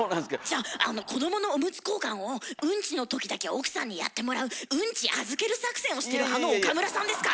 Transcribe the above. じゃあ子どものおむつ交換をウンチのときだけ奥さんにやってもらうウンチ預ける作戦をしてるあの岡村さんですか？